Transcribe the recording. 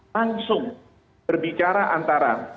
langsung berbicara antara